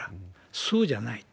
そうじゃないと。